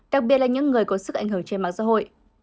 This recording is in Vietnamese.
đặc biệt là những người có sức ảnh hưởng trên mạng xã hội